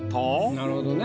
なるほどね。